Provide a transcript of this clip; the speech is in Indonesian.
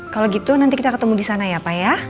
kalau gitu nanti kita ketemu di sana ya pak ya